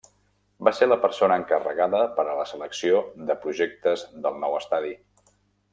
Va ser la persona encarregada per a la selecció de projectes del nou estadi.